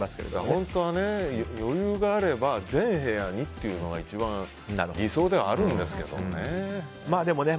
本当は余裕があれば全部屋にというのが一番、理想ではあるんですけどね。